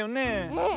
うん。